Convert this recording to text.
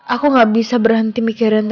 aku gak bisa berhenti mikirin raja dan anaknya